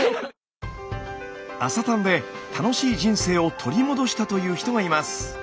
「朝たん」で楽しい人生を取り戻したという人がいます。